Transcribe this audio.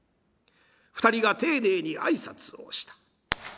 ２人が丁寧に挨拶をした。